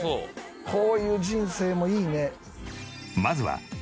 こういう人生もいいね。